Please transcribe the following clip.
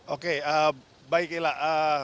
oke baik ilah